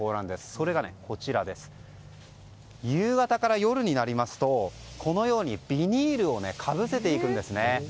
それが、こちら夕方から夜になりますとビニールをかぶせていくんですね。